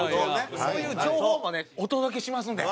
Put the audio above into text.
そういう情報もねお届けしますんで。